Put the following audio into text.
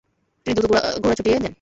তিনি দ্রুত ঘোড়া ছুটিয়ে দেন।